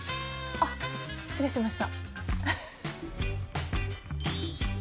あっ失礼しました。